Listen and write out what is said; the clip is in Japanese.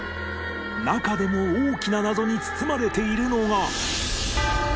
中でも大きな謎に包まれているのが